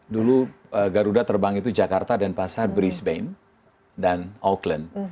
dulu garuda terbang itu jakarta denpasar brisbane dan auckland